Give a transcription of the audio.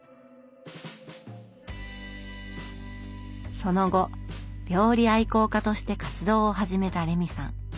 その後料理愛好家として活動を始めたレミさん。